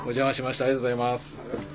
ありがとうございます。